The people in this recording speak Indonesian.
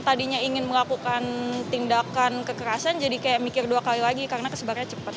tadinya ingin melakukan tindakan kekerasan jadi kayak mikir dua kali lagi karena kesebarnya cepat